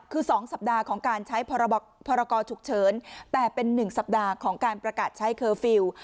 คือ๒สัปดาห์ของการใช้พรกรฉุกเฉินแต่เป็น๑สัปดาห์ของการประกาศใช้เคอร์ฟิลล์